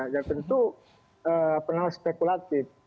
yang tentu pernah spekulatif